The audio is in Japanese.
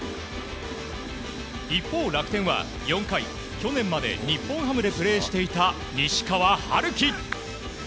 一方、楽天は４回去年まで日本ハムでプレーしていた西川遥輝。